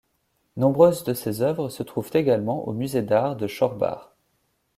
Nombreuses de ses œuvres se trouvent également au Musée d'art de Schorbach.